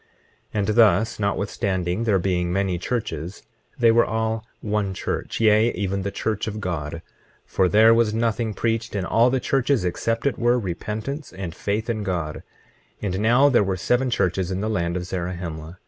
25:22 And thus, notwithstanding there being many churches they were all one church, yea, even the church of God; for there was nothing preached in all the churches except it were repentance and faith in God. 25:23 And now there were seven churches in the land of Zarahemla.